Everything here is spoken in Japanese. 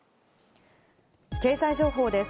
経済情報です。